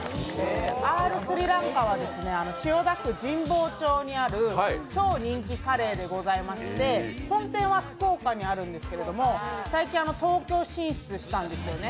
Ｒスリランカは千代田区神保町にある超人気カレーでありまして本店は福岡にあるんですけれども最近、東京進出したんですよね。